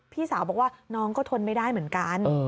พี่สาวบอกว่าน้องก็ทนไม่ได้เหมือนกัน